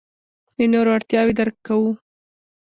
د نورو اړتیاوې درک کوو.